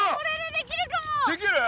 できる？